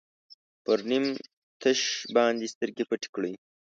پر نیم تش باندې سترګې پټې کړئ.